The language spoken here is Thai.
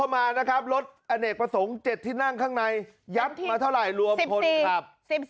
มานะครับรถอเนกประสงค์๗ที่นั่งข้างในยับมาเท่าไหร่รวมคนขับ